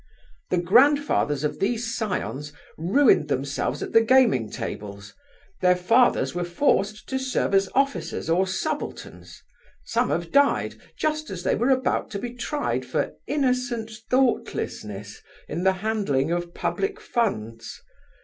_) The grandfathers of these scions ruined themselves at the gaming tables; their fathers were forced to serve as officers or subalterns; some have died just as they were about to be tried for innocent thoughtlessness in the handling of public funds.